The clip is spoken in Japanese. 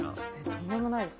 とんでもないです。